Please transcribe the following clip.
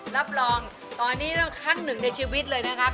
รับรองตอนนี้เราครั้งหนึ่งในชีวิตเลยนะครับ